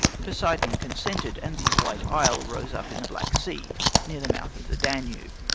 Poseidon consented, and the White Isle rose up in the Black Sea, near the mouth of the Danube.